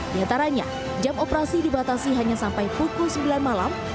diantaranya jam operasi dibatasi hanya sampai pukul sembilan malam